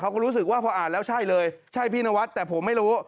เขาก็รู้สึกว่าพออ่านแล้วใช่เลยใช่พี่นวัดแต่ผมไม่รู้